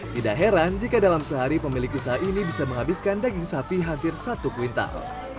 tidak heran jika dalam sehari pemilik usaha ini bisa menghabiskan daging sapi hampir satu kuintal